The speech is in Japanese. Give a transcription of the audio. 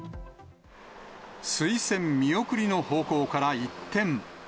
推薦見送りの方向から一転。